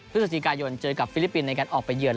พฤศจิกายนเจอกับฟิลิปปินส์ในการออกไปเยือน